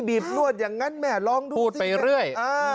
บนวดอย่างนั้นแม่ลองดูพูดไปเรื่อย